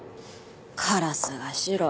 カラスが白。